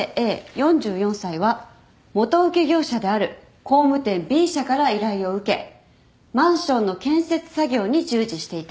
４４歳は元請け業者である工務店Ｂ社から依頼を受けマンションの建設作業に従事していた。